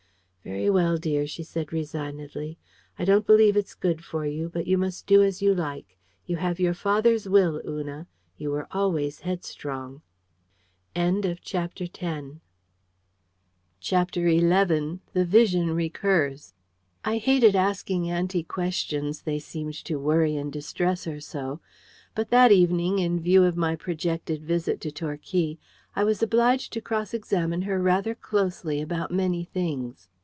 "Very well, dear," she said resignedly. "I don't believe it's good for you: but you must do as you like. You have your father's will, Una. You were always headstrong." CHAPTER XI. THE VISION RECURS I hated asking auntie questions, they seemed to worry and distress her so; but that evening, in view of my projected visit to Torquay, I was obliged to cross examine her rather closely about many things.